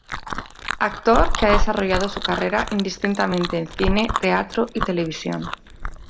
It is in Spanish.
Actor que ha desarrollado su carrera indistintamente en cine, teatro y televisión.